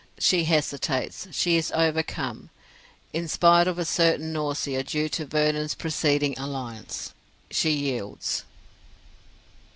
She hesitates, she is overcome; in spite of a certain nausea due to Vernon's preceding alliance, she yields.